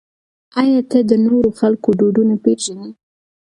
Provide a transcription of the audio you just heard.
آیا ته د نورو خلکو دودونه پېژنې؟